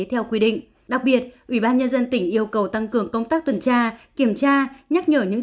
theo quy định đặc biệt ubnd tỉnh yêu cầu tăng cường công tác tuần tra kiểm tra nhắc nhở những